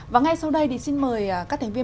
và ngay sau đây xin mời các thành viên